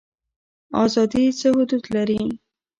ازادي څه حدود لري؟